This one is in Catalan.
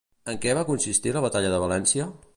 En què va consistir la Batalla de València?